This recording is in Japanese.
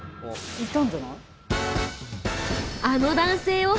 いたんじゃない？